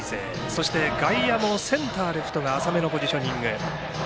そして外野もセンター、レフトが浅めのポジショニング。